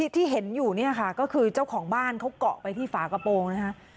ที่เห็นอยู่เนี่ยค่ะก็คือเจ้าของบ้านเขาเกาะไปที่ฝากระโปรงนะคะ